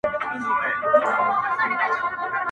نه بارونه وړي نه بل څه ته په کار دی؛